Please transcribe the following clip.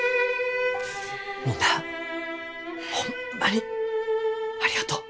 みんなホンマにありがとう。